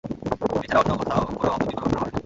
এ ছাড়া অন্য কোথায় কোনো অপ্রীতিকর ঘটনা ঘটেনি।